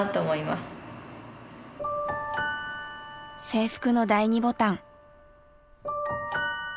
制服の第二ボタン。